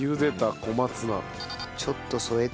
ちょっと添えて。